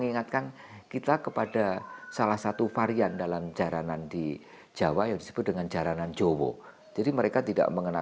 perhatikan nggak forgive yup on tamandan represent for kota indonesia